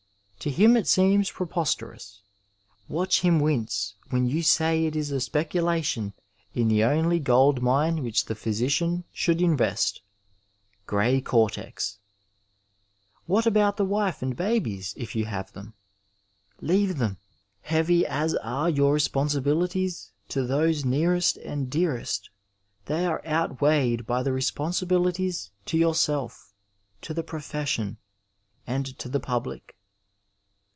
To him it seems preposterous. Watch him wince when you say it is a speculation in the only gold mine which the physician should invest— GVcy Cortex: What about the wife and babies, if you have them ? Leave them ! Heavy as are your responsibilities to those nearest and dearest, they are outweighed by the responsibilities to yourself, to the profession, and to the public.